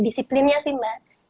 disiplinnya sih mbak